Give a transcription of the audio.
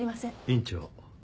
院長